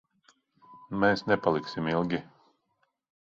Mēs nepaliksim ilgi.